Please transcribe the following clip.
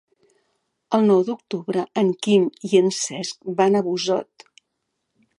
El nou d'octubre en Quim i en Cesc van a Busot.